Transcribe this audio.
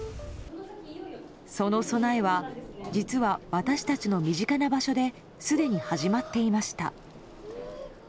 その備えは実は私たちの身近な場所ですでに始まっていました。